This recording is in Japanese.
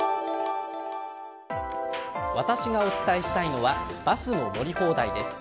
私がお伝えしたいのはバスの乗り放題です。